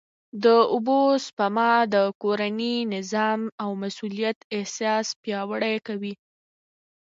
د اوبو سپما د کورني نظم او مسؤلیت احساس پیاوړی کوي.